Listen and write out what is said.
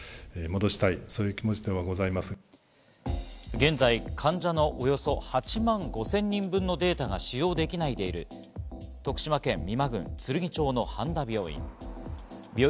現在、患者のおよそ８万５０００人分のデータが使用できないでいる、徳島県美馬郡つるぎ町の半田病院。